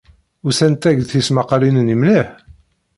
Usant-ak-d tesmaqqalin-nni mliḥ?